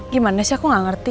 gimana sih aku gak ngerti